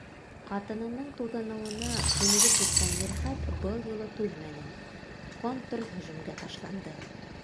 Ҡатынының туҙыныуына күнегеп бөткән Мирхәт был юлы түҙмәне — контрһөжүмгә ташланды: